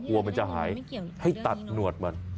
กลัวมันจะหายให้ตัดหนวดมัน